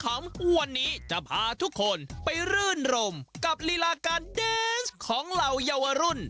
ตลอดข่าวขำวันนี้จะพาทุกคนไปรื่นรมกับลีลาการแดนซ์ของเราเยาวรุ่น